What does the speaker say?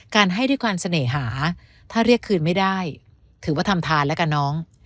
ให้ด้วยความเสน่หาถ้าเรียกคืนไม่ได้ถือว่าทำทานแล้วกันน้อง